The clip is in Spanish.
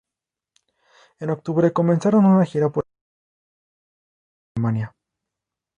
En octubre comenzaron una gira por Estados Unidos y en diciembre por Alemania.